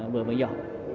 vừa và nhỏ